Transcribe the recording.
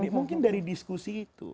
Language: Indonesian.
mungkin dari diskusi itu